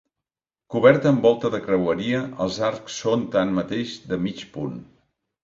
Coberta amb volta de creueria, els arcs són, tanmateix, de mig punt.